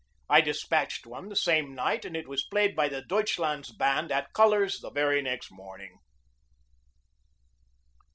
I despatched one the same night, and it was played by the Deutschland 9 s band at colors the very next morning.